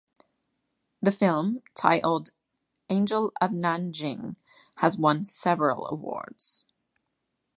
The film, titled "Angel of Nanjing", has won several awards.